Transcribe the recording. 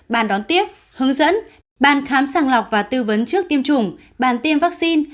bàn đón tiếp hướng dẫn bàn khám sàng lọc và tư vấn trước tiêm chủng bàn tiêm vaccine